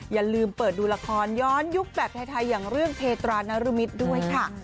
อย่าลืมเปิดดูละครย้อนยุคแบบไทยอย่างเรื่องเพตรานรมิตรด้วยค่ะ